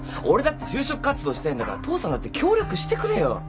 俺だって就職活動したいんだから父さんだって協力してくれよ。